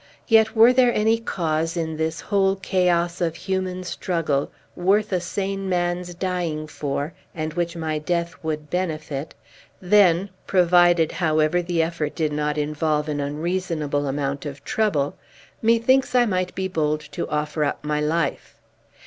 Yet, were there any cause, in this whole chaos of human struggle, worth a sane man's dying for, and which my death would benefit, then provided, however, the effort did not involve an unreasonable amount of trouble methinks I might be bold to offer up my life.